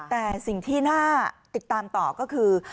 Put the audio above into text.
แต่สิ่งที่น่าติดตามต่อก็คือ